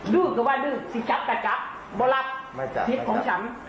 ดูก็ว่าดูสิจับกับจับไม่รับพิษของฉัน